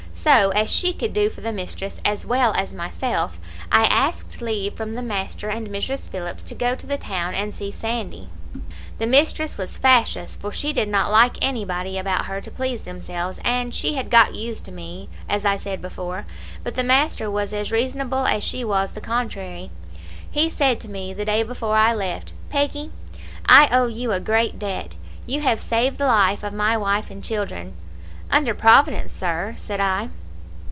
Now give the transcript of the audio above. So, as she could do for the mistress as well as myself, I asked leave from the master and Mrs. Phillips to go to the town and see Sandy. The mistress was fashious, for she did not like anybody about her to please themselves, and she had got used to me, as I said before; but the master was as reasonable as she was the contrary. "He said to me, the day before I left, 'Peggy, I owe you a great debt. You have saved the life of my wife and children.' "'Under Providence, sir,' said I.